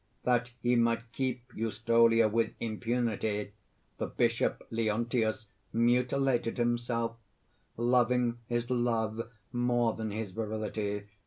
That he might keep Eustolia with impunity, the bishop Leontius mutilated himself loving his love more than his virility.